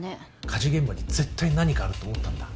火事現場に絶対何かあると思ったんだ。